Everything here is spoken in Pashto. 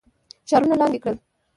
ښارونه لاندي کړل.